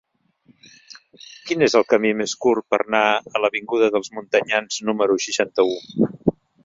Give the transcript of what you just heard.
Quin és el camí més curt per anar a l'avinguda dels Montanyans número seixanta-u?